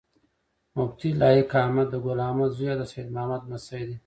مفتي لائق احمد د ګل احمد زوي او د سيد محمد لمسی دی